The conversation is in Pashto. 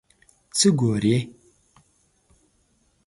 څه ګورې ؟